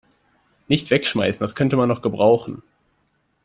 Nicht wegschmeißen, das könnte man noch gebrauchen!